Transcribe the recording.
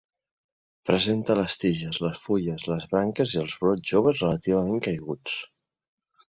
Presenta les tiges, les fulles, les branques i els brots joves relativament caiguts.